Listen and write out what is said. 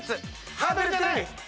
ハードルじゃない。